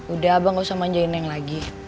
udah abah gak usah manjain neng lagi